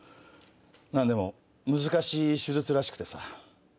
何でも難しい手術らしくてさ。